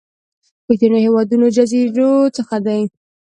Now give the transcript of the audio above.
کوچنيو هېوادونو جزيرو څخه دي.